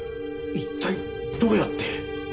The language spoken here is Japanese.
一体どうやって？